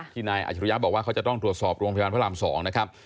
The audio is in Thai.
นายอาชิริยะบอกว่าเขาจะต้องตรวจสอบโรงพยาบาลพระราม๒นะครับ